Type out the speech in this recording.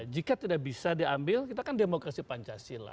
jika tidak bisa diambil kita kan demokrasi pancasila